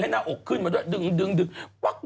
ดึงดึงดึงให้ได้ดึงพลั๊กอ่ะ